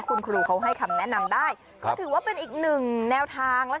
คุณครูเขาให้คำแนะนำได้ก็ถือว่าเป็นอีกหนึ่งแนวทางแล้ว